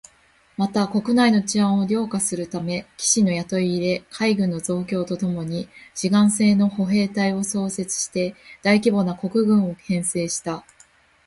また、国内の治安を良化するため、騎士の雇い入れ、海軍の増強とともに志願制の歩兵隊を創設して大規模な国軍を編成した